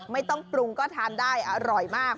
ไม่ต้องปรุงก็ทานได้อร่อยมาก